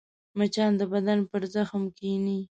مچان د بدن پر زخم کښېني